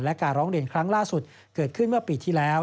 และการร้องเรียนครั้งล่าสุดเกิดขึ้นเมื่อปีที่แล้ว